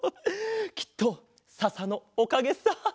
きっとささのおかげさ。